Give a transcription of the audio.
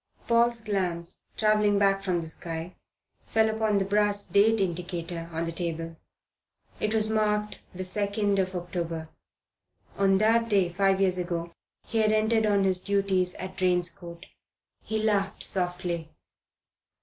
Paul's glance, travelling back from the sky, fell upon the brass date indicator on the table. It marked the 2nd of October. On that day five years ago he had entered on his duties at Drane's Court. He laughed softly.